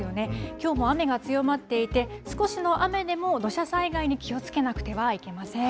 きょうも雨が強まっていて、少しの雨でも土砂災害に気をつけなくてはいけません。